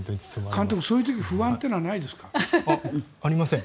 監督、そういう時不安というのはありませんか？